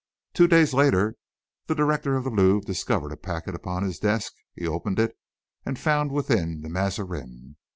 Two days later, the director of the Louvre discovered a packet upon his desk. He opened it and found within the Mazarin.